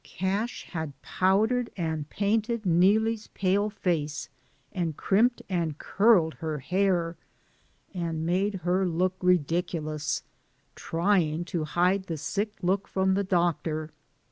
Cash had powdered and painted Neelie' s pale face and crimped and curled her hair — and made her look ridiculous — trying to hide the sick look from the doctor.